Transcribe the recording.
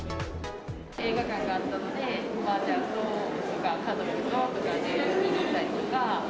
映画館があったので、おばあちゃんと家族とかで見に来たりとか。